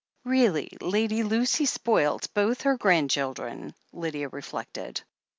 Really, Lady Lucy spoilt both her grandchildren, Lydia reflected.